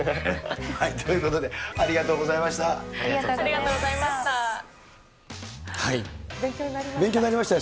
はい、ということで、ありがとうありがとうございました。